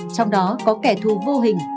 trong đó có kẻ thù vô hình